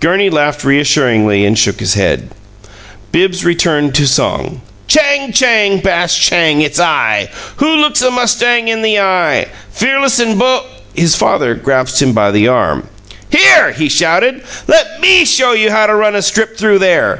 Gurney laughed reassuringly, and shook his head. Bibbs returned to song: Chang! Chang, bash, chang! It's I! WHO looks a mustang in the eye? Fearless and bo His father grasped him by the arm. "Here!" he shouted. "Let ME show you how to run a strip through there.